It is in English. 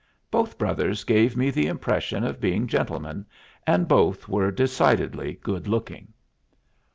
Both brothers gave me the impression of being gentlemen, and both were decidedly good looking.